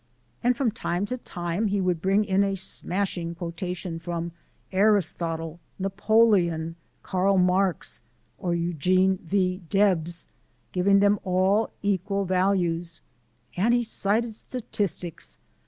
And from time to time, he would bring in a smashing quotation from Aristotle, Napoleon, Karl Marx, or Eugene V. Debs, giving them all equal value, and he cited statistics!